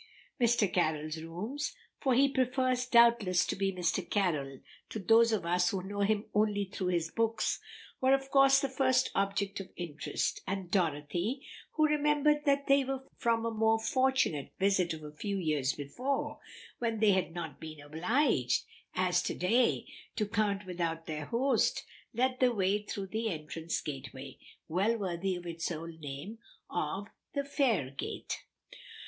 Mr. Carroll's rooms for he prefers doubtless to be Mr. Carroll to those of us who know him only through his books . were of course the first object of interest, and Dorothy, who remembered where they were from a more fortunate visit of a few years before, when they had not been obliged, as to day, to count without their host, led the way through the Entrance Gateway, well worthy of its old name of "The Faire Gate."